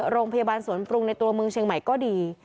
โรงพยาบาลสวนปรุงในตัวเมืองเชียงใหม่ก็ดี